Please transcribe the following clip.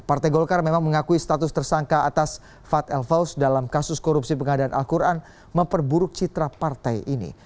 partai golkar memang mengakui status tersangka atas fat el faus dalam kasus korupsi pengadaan al quran memperburuk citra partai ini